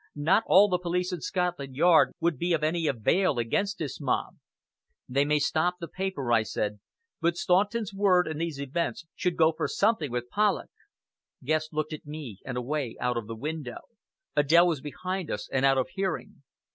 Not all the police in Scotland Yard would be of any avail against this mob." "They may stop the paper," I said; "but Staunton's word and these events should go for something with Polloch." Guest looked at me and away out of the window. Adèle was behind us, and out of hearing.